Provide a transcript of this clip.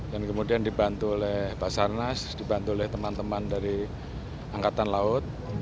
dan kemudian dibantu oleh pak sarnas dibantu oleh teman teman dari angkatan laut